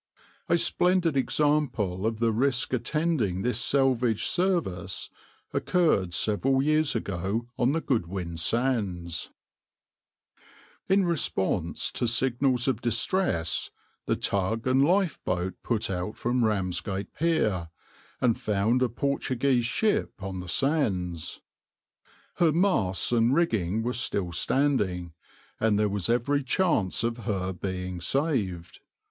A splendid example of the risk attending this salvage service occurred several years ago on the Goodwin Sands.\par \vs {\noindent} In response to signals of distress the tug and lifeboat put out from Ramsgate pier, and found a Portuguese ship on the sands. Her masts and rigging were still standing, and there was every chance of her being saved.